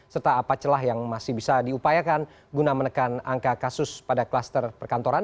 serta apa celah yang masih bisa diupayakan guna menekan angka kasus pada kluster perkantoran